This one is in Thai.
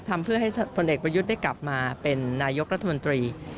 ทำเพื่อให้พลเอกประยุทธ์ได้กลับมาเป็นนายกรัฐมนตรี